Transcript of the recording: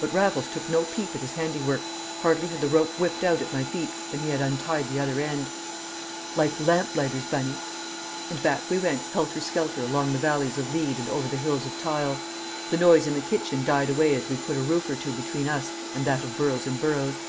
But Raffles took no peep at his handiwork; hardly had the rope whipped out at my feet than he had untied the other end. "Like lamplighters, Bunny!" And back we went helter skelter along the valleys of lead and over the hills of tile.... The noise in the kitchen died away as we put a roof or two between us and that of Burroughs and Burroughs.